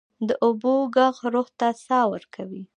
د اوبو ږغ روح ته ساه ورکوي.